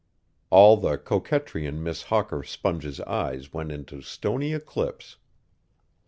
All the coquetry in Miss Hawker Sponge's eyes went into stony eclipse.